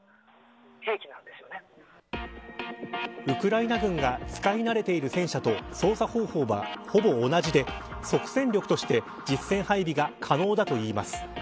ウクライナ軍が使い慣れている戦車と操作方法がほぼ同じで即戦力として実戦配備が可能だといいます。